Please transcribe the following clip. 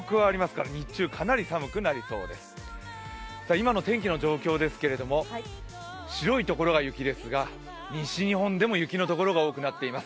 今の天気の状況ですけれども、白いところが雪ですが、西日本でも雪の所が多くなっています。